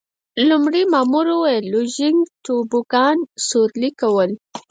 لومړي مامور وویل: لوژینګ، توبوګان سورلي کول.